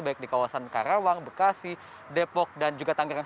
baik di kawasan karawang bekasi depok dan juga tangerang